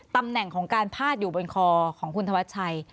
ตำแหน่งของการพาดอยู่บนคอของคุณธวัชชัย